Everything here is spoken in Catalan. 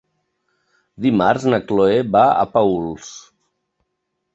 Dimarts na Cloè va a Paüls.